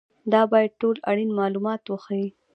دا باید ټول اړین معلومات وښيي.